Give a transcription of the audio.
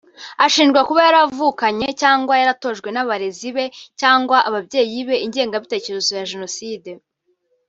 ashinjwa kuba yaravukanye cyangwa yaratojwe n’abarezi be cyangwa ababyeyi be « ingengabitekerezo ya jenoside »